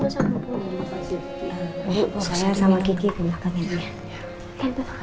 bu saya sama kiki ke belakangnya